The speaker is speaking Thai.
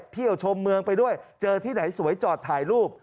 เที่ยวชมเมืองไปด้วยเจอที่ไหนสวยจอดถ่ายรูป